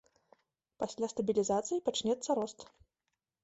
Пасля стабілізацыі пачнецца рост.